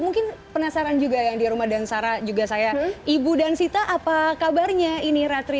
mungkin penasaran juga yang di rumah dan sarah juga saya ibu dan sita apa kabarnya ini ratri